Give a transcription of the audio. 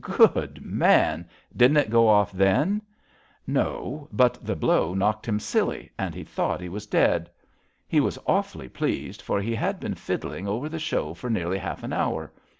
'' Good man! Didn't it go off then? "No, but the blow knocked him silly, and he thought he was dead. He was awfully pleased, for he had been fiddling over the show for nearly half an hour.